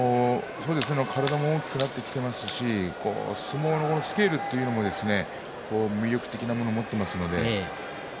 体も大きくなってきていますし、相撲のスケールというのも、魅力的なものを持っています。